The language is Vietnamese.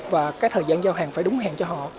và cái thời gian giao hàng phải đúng hàng cho họ